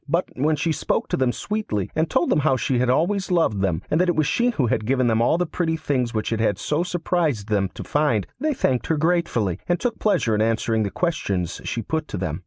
But when she spoke to them sweetly, and told them how she had always loved them, and that it was she who had given them all the pretty things which it had so surprised them to find, they thanked her gratefully, and took pleasure in answering the questions she put to them.